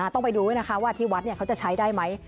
ต้องไปดูนะครับที่วัดนี่เขาจะใช้ได้ไหม